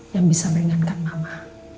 yang bisa meringankan mama